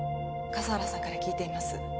笠原さんから聞いています